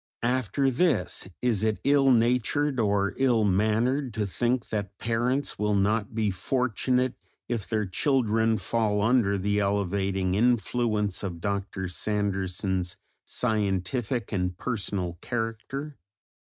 After this, is it "ill natured or ill mannered" to think that parents will not be fortunate if "their children fall under the elevating influence of Dr. Sanderson's scientific and personal character"?